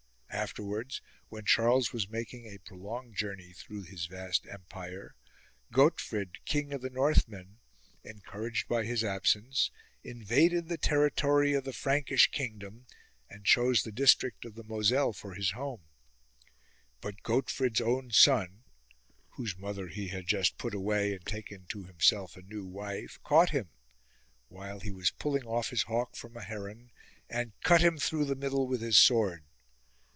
Afterwards when Charles was making a prolonged journey through his vast empire, Gotefrid, king of the Northmen, encouraged by his absence, invaded the territory of the Frankish kingdom and chose the district of the Moselle for his home. But Gotefrid's »37 DEATH OF GOTEFRID own son (whose mother he had just put awaj^ and taken to himself a new wife) caught him, while he was pulling off his hawk from a heron, and cut him through the middle with his sword.